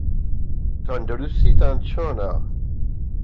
تەندروستیتان چۆنە؟